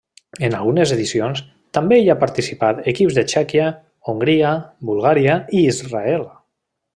En algunes edicions també hi ha participat equips de Txèquia, Hongria, Bulgària i Israel.